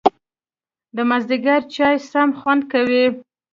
د مازیګر چای سم خوند کوي